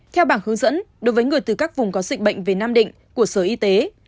theo bảng hướng dẫn đối với người từ các vùng có dịch bệnh về nam định của sở y tế